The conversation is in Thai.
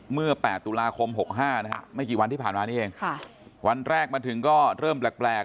เมื่อ๘ตุลาคม๖๕นะฮะไม่กี่วันที่ผ่านมานี่เองวันแรกมาถึงก็เริ่มแปลก